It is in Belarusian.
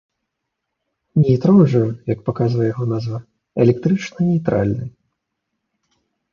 Нейтрон жа, як паказвае яго назва, электрычна нейтральны.